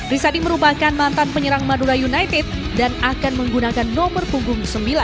rizadi merupakan mantan penyerang madura united dan akan menggunakan nomor punggung sembilan